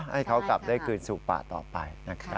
ให้เขากลับได้คืนสู่ป่าต่อไป